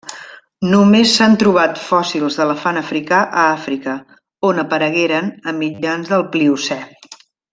Només s'han trobat fòssils d'elefant africà a Àfrica, on aparegueren a mitjans del Pliocè.